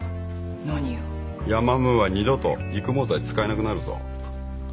ヤマムーは二度と育毛剤使えなくなるぞ。